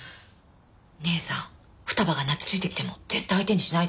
義姉さん二葉が泣きついてきても絶対相手にしないでね。